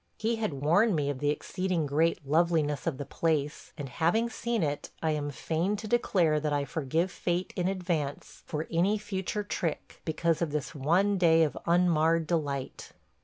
He had warned me of the exceeding great loveliness of the place, and, having seen it, I am fain to declare that I forgive fate in advance for any future trick, because of this one day of unmarred delight.